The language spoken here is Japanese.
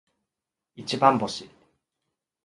一番星